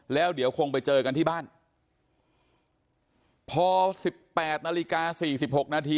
แล้วเดี๋ยวคงไปเจอกันที่บ้านพอสิบแปดนาฬิกา๔๖นาที